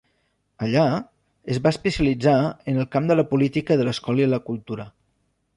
Allà, es va especialitzar en el camp de la política de l'escola i la cultura.